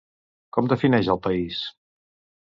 Com defineix al país?